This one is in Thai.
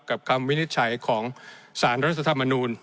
คำวินิจฉัยของสารรัฐธรรมนูล